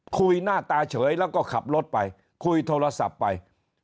หน้าตาเฉยแล้วก็ขับรถไปคุยโทรศัพท์ไป